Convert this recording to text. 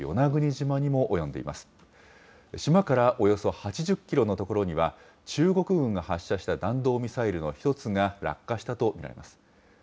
島からおよそ８０キロの所には、中国軍が発射した弾道ミサイルの１つが落下したと見られます。